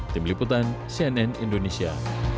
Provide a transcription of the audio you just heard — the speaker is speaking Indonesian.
tim liputan cnn indonesia